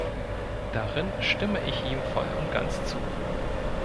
Darin stimme ich ihm voll und ganz zu.